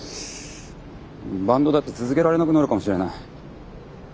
バンドだって続けられなくなるかもしれない。